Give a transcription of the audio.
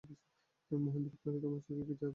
মহেন্দ্র কহিল, তোমার সখীকে যা বল–চোখের বালি।